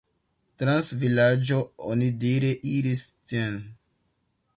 Trans vilaĝo onidire iris tn.